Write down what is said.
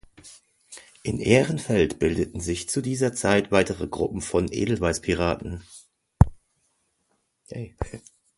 In Ehrenfeld bildeten sich zu dieser Zeit weitere Gruppen von Edelweißpiraten.